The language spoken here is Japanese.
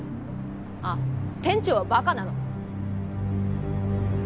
あっ店長はバカなの？